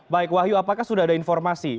baik wahyu apakah sudah ada informasi